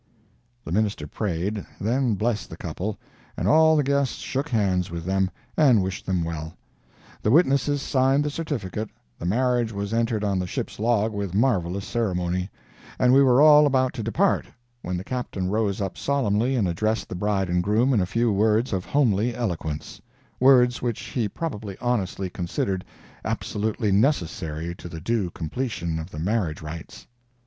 The minister prayed, then blessed the couple, and all the guests shook hands with them, and wished them well. The witnesses signed the certificate, the marriage was entered on the ship's log with marvellous ceremony, and we were all about to depart, when the Captain rose up solemnly and addressed the bride and groom in a few words of homely eloquence—words which he probably honestly considered absolutely necessary to the due completion of the marriage rites.